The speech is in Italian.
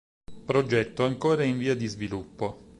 Progetto ancora in via di sviluppo.